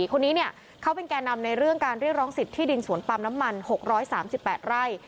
คนนี้เขาเป็นแก่นำในเรื่องการเรียกร้องสิทธิดินสวนปั๊มน้ำมัน๖๓๘ไร่